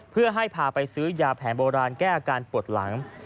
เพื่อให้พาไปซื้อยาแผนโบราณแก้อาการปวดหลัง